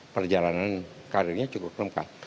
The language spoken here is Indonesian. perjalanan karirnya cukup lengkap